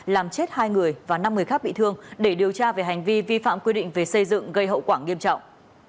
làm chết hai người và năm người khác bị thương để điều tra về hành vi vi phạm quy định về xây dựng gây hậu quả nghiêm trọng